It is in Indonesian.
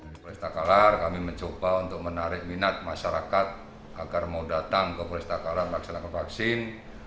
di polis takalar kami mencoba untuk menarik minat masyarakat agar mau datang ke polis takalar melaksanakan vaksin